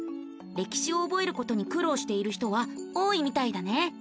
歴史を覚えることに苦労している人は多いみたいだね。